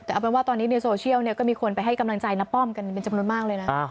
แต่เอาเป็นว่าตอนนี้ในโซเชียลก็มีคนไปให้กำลังใจณป้อมกันเป็นจำนวนมากเลยนะ